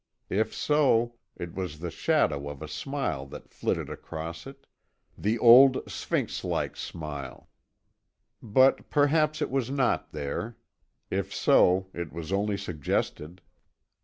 If so, it was the shadow of a smile that flitted across it the old, sphinx like smile. But perhaps it was not there. If so, it was only suggested.